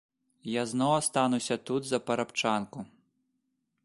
Я зноў астануся тут за парабчанку.